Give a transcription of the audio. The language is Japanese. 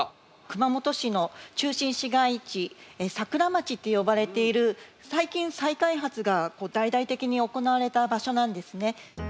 熊本市の中心市街地桜町って呼ばれている最近再開発が大々的に行われた場所なんですね。